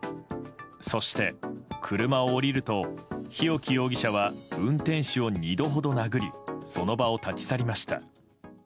そして、車を降りると日置容疑者は運転手を２度ほど殴りその場を立ち去りました。